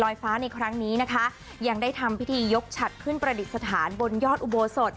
ฟ้าในครั้งนี้นะคะยังได้ทำพิธียกฉัดขึ้นประดิษฐานบนยอดอุโบสถ